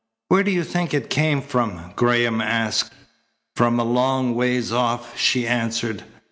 "Where did you think it came from?" Graham asked. "From a long ways off," she answered.